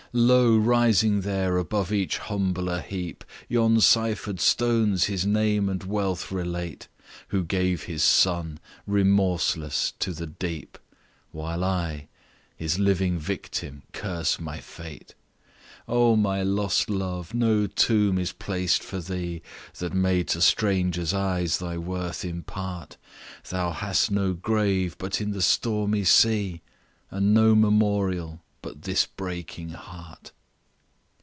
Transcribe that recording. "Lo! rising there above each humbler heap, Yon cypher'd stones his name and wealth relate, Who gave his son remorseless to the deep, While I, his living victim, curse my fate. "Oh, my lost love! no tomb is placed for thee, That may to strangers' eyes thy worth impart; Thou hast no grave but in the stormy sea, And no memorial but this breaking heart.